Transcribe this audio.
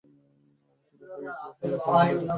শুরু হয়ে গেল রক্তক্ষয়ী যুদ্ধ।